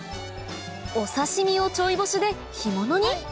お刺し身をチョイ干しで干物に？